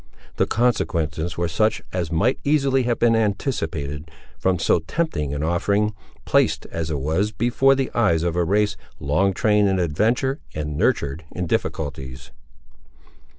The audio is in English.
The consequences were such as might easily have been anticipated, from so tempting an offering, placed, as it was, before the eyes of a race long trained in adventure and nurtured in difficulties.